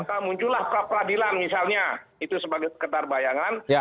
maka muncullah pra peradilan misalnya itu sebagai sekedar bayangan